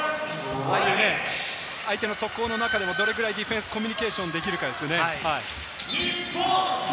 相手の速攻の中でも、どれくらいディフェンスコミュニケーションできるかですね。